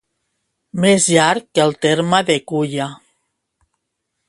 Més llarg que el terme de Culla.